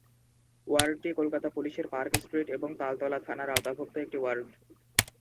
ওয়ার্ডটি কলকাতা পুলিশের Park Street এবং তালতলা থানার আওতাভুক্ত একটি ওয়ার্ড।